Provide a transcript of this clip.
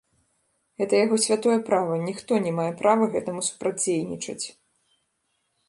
Гэта яго святое права, ніхто не мае права гэтаму супрацьдзейнічаць.